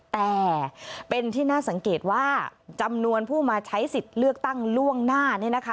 แต่เป็นที่น่าสังเกตว่าจำนวนผู้มาใช้สิทธิ์เลือกตั้งล่วงหน้าเนี่ยนะคะ